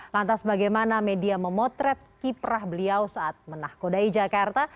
lantas bagaimana media memotret kiprah beliau saat menahkodai jakarta